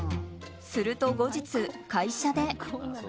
すると、後日会社で。